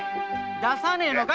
ださねえのか？